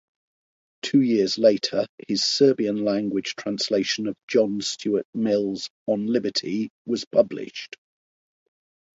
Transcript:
Two years later, his Serbian-language translation of John Stuart Mill's "On Liberty" was published.